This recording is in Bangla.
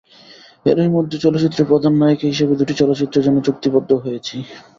এরই মধ্যে চলচ্চিত্রের প্রধান নায়িকা হিসেবে দুটি চলচ্চিত্রের জন্য চুক্তিবদ্ধও হয়েছি।